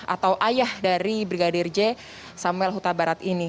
atau ayah dari brigadir j samuel huta barat ini